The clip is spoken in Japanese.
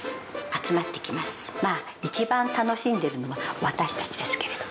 まあ一番楽しんでるのは私たちですけれど。